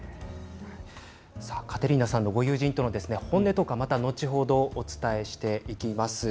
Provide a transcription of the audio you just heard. カテリーナさんとこういう人たちの本音トークは後ほど、お伝えしていきます。